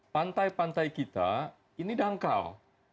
pantai pantai kita ini dangkal